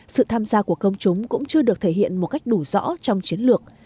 sự tham gia của công chúng cũng chưa được thể hiện một cách đủ rõ trong chiến lược